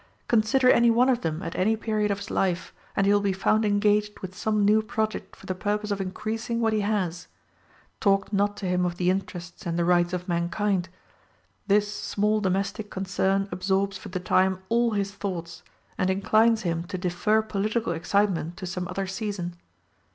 Consider any one of them at any period of his life, and he will be found engaged with some new project for the purpose of increasing what he has; talk not to him of the interests and the rights of mankind: this small domestic concern absorbs for the time all his thoughts, and inclines him to defer political excitement to some other season.